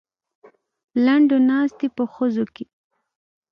لنډو ناست دی په خزو کې.